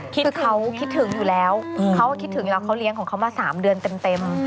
คือเขาคิดถึงอยู่แล้วเขาคิดถึงแล้วเขาเลี้ยงของเขามา๓เดือนเต็ม